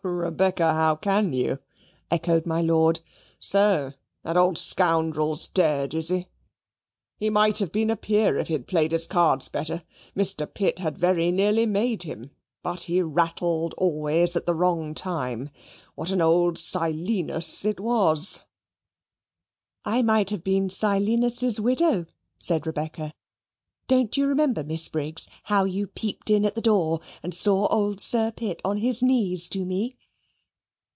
"Oh, Rebecca, how can you " echoed my Lord. "So that old scoundrel's dead, is he? He might have been a Peer if he had played his cards better. Mr. Pitt had very nearly made him; but he ratted always at the wrong time. What an old Silenus it was!" "I might have been Silenus's widow," said Rebecca. "Don't you remember, Miss Briggs, how you peeped in at the door and saw old Sir Pitt on his knees to me?"